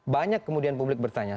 banyak kemudian publik bertanya